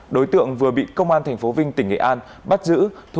đối tượng vừa bị công an tp vinh tỉnh nghệ an bắt giữ